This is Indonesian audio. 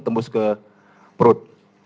tembus ke perut